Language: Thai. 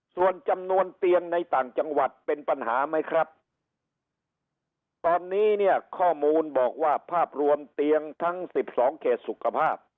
ส่วนจำนวนเตียงในต่างจังหวัดเป็นปัญหาไหมครับตอนนี้เนี่ยข้อมูลบอกว่าภาพรวมเตียงทั้งสิบสองเขตสุขภาพ